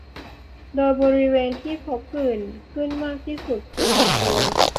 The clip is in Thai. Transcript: โดยบริเวณที่พบผื่นขึ้นมากที่สุดคือลำตัว